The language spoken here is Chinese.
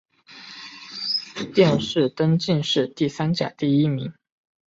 殿试登进士第三甲第一名。